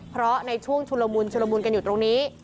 เพราะในช่วงชุนโรมูลชุนโรมูลกันอยู่ตรงนี้